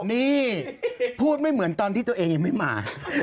นี่พูดไม่เหมือนตอนที่ตัวเองยังไม่มา